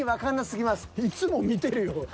「いつも見てるよ」。